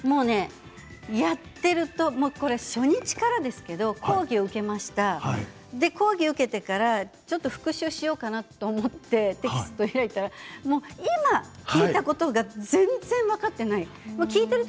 やっていると初日からですけれども講義を受けてそれから復習しようと思ってテキストを開いたら今、聞いたことが全然分かっていない。